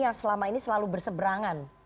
yang selama ini selalu berseberangan